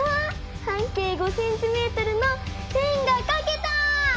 半径５ｃｍの円がかけた！